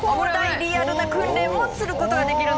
リアルな訓練もすることができるんですね。